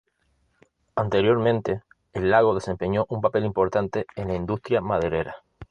Anteriormente, el lago desempeñó un papel importante en la industria maderera.